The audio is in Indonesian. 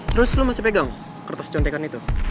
terus lo masih pegang kertas contekan itu